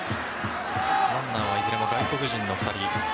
ランナーはいずれも外国人の２人。